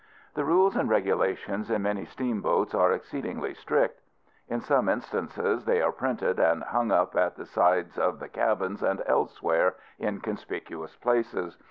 The rules and regulations in many steamboats are exceedingly strict. In some instances they are printed and hung up at the sides of the cabins and elsewhere, in conspicuous places.